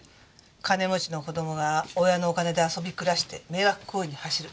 金持ちの子供が親のお金で遊び暮らして迷惑行為に走る。